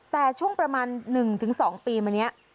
แต่ช่วงประมาณ๑๒ปีมานี้